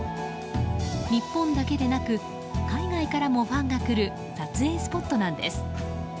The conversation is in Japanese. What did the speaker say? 日本だけでなく海外からもファンが来る撮影スポットなんです。